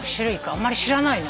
あんまり知らないな。